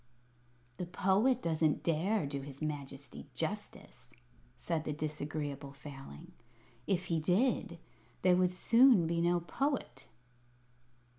"The Poet doesn't dare do his Majesty justice," said the Disagreeable Failing. "If he did, there would soon be no Poet."